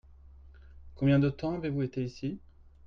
Combien de temps avez-vous été ici ?